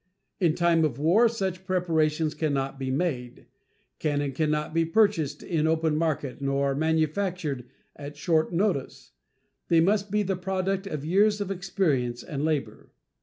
In time of war such preparations can not be made; cannon can not be purchased in open market nor manufactured at short notice; they must be the product of years of experience and labor.